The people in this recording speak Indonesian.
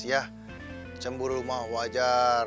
ya cemburu mah wajar